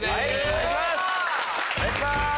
お願いします。